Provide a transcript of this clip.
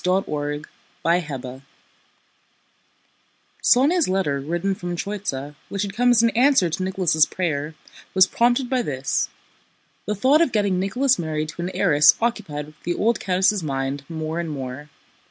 CHAPTER VIII Sónya's letter written from Tróitsa, which had come as an answer to Nicholas' prayer, was prompted by this: the thought of getting Nicholas married to an heiress occupied the old countess' mind more and more.